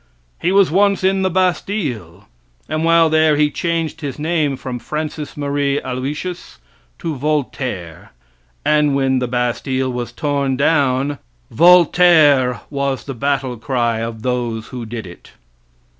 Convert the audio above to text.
He was once in the Bastille, and while there he changed his name from Francis Marie Aloysius to Voltaire; and when the Bastille was torn down "Voltaire" was the battle cry of those who did it.